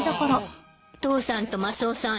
父さんとマスオさん